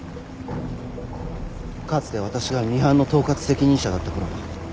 かつて私がミハンの統括責任者だったころ